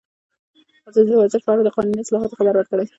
ازادي راډیو د ورزش په اړه د قانوني اصلاحاتو خبر ورکړی.